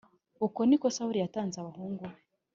Uko ni ko Sawuli yatanze n abahungu be